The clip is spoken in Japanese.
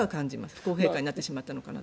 不公平感になってしまったのかなと。